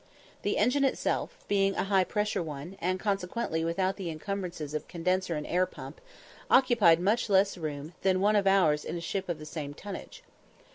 The engine itself, being a high pressure one, and consequently without the incumbrances of condenser and air pump, occupied much less room than one of ours in a ship of the same tonnage.